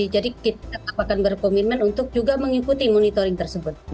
jadi kita akan berkomitmen untuk juga mengikuti monitoring tersebut